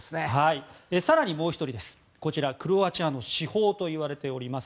更にもう１人クロアチアの至宝と言われております